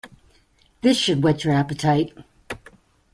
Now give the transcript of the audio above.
This should whet your appetite.